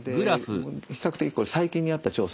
比較的これ最近にやった調査なんです。